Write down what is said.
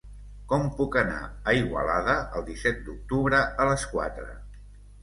Com puc anar a Igualada el disset d'octubre a les quatre?